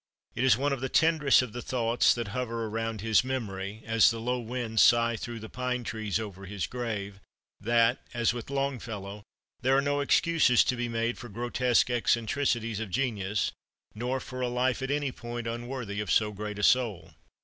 It is one of the tenderest of the thoughts that hover around his memory, as the low winds sigh through the pine trees over his grave, that, as with Longfellow, there are no excuses to be made for grotesque eccentricities of genius, nor for a life at any point unworthy of so great a soul.